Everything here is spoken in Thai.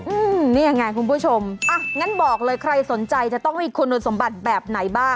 อืมนี่ยังไงคุณผู้ชมอ่ะงั้นบอกเลยใครสนใจจะต้องมีคุณสมบัติแบบไหนบ้าง